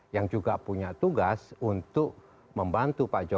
yang juga punya tugas untuk membantu pak jokowi